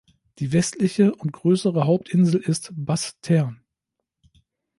Die westliche und größere Hauptinsel ist Basse-Terre.